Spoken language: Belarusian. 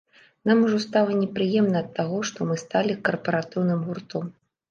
Нам ужо стала непрыемна ад таго, што мы сталі карпаратыўным гуртом.